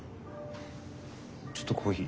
ちょっとコーヒー。